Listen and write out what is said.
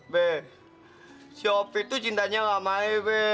be si opi tuh cintanya gak maen be